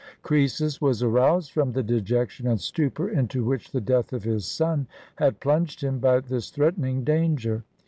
Croesus was aroused from the dejection and stupor into which the death of his son had plunged him by this threatening danger.